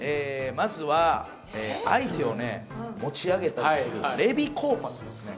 まずは相手を持ち上げたりするレビコーパスですね